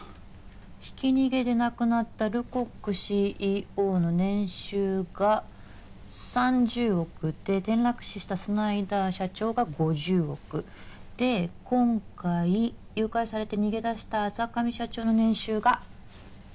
ひき逃げで亡くなったルコックＣＥＯの年収が３０億で転落死したスナイダー社長が５０億。で今回誘拐されて逃げ出した阿座上社長の年収が１０億。